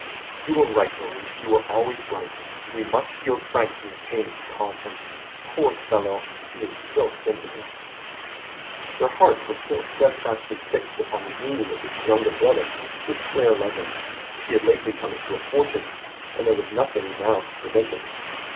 "You are right, Maurice, you are always right. We must shield Frank from the pain it would cause him. Poor fellow! he is so sensitive." Their hearts were still steadfastly fixed upon the union of this younger brother with Claire Lessing. She had lately come into a fortune, and there was nothing now to prevent it.